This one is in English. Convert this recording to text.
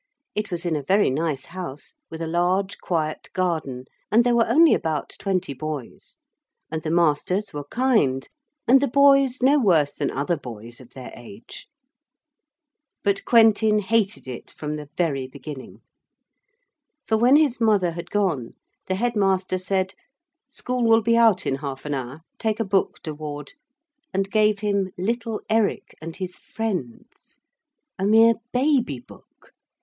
It was in a very nice house with a large quiet garden, and there were only about twenty boys. And the masters were kind, and the boys no worse than other boys of their age. But Quentin hated it from the very beginning. For when his mother had gone the Headmaster said: 'School will be out in half an hour; take a book, de Ward,' and gave him Little Eric and his Friends, a mere baby book.